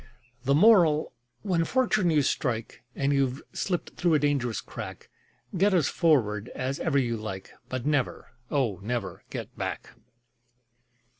The Moral: When fortune you strike, And you've slipped through a dangerous crack, Get as forward as ever you like, But never, oh, never get back!